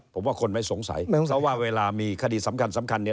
ผมว่าคนไม่สงสัยว่าเวลามีคดีสำคัญสำคัญเนี่ย